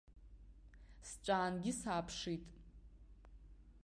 Сҵәаангьы сааԥшит.